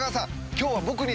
今日は僕に。